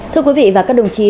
thưa quý vị và các đồng chí